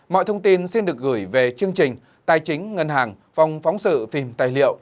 mọi thông tin xin được gửi về chương trình tài chính ngân hàng phòng phóng sự phim tài liệu